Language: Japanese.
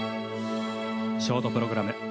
ショートプログラム